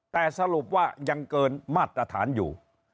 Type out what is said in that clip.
แต่สรุปว่ายังเกินมาตรฐานอยู่